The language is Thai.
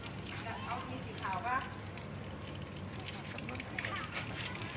สุดท้ายสุดท้ายสุดท้าย